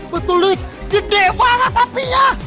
betul dik dik dewa banget apinya